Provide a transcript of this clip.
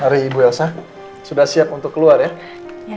hari ibu elsa sudah siap untuk keluar ya